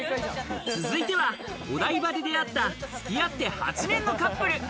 続いては、お台場で出会った、付き合って８年のカップル。